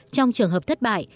trong trường hợp thất bại